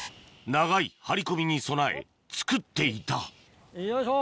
長い張り込みに備え作っていたよいしょ。